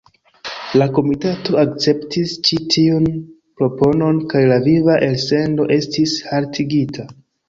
La komitato akceptis ĉi tiun proponon kaj la viva elsendo estis haltigita.